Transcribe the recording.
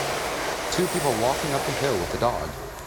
Two people walking up a hill with a dog.